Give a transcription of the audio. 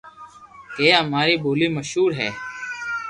ڪي امري ٻولو مݾھور ھي